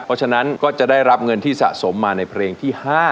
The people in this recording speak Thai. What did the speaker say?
เพราะฉะนั้นก็จะได้รับเงินที่สะสมมาในเพลงที่๕